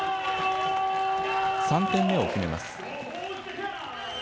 ３点目を決めます。